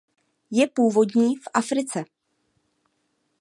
Je původní v Africe.